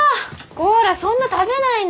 こらそんな食べないの！